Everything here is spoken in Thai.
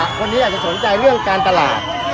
คนนี้อาจจะสนใจเรื่องการตลาด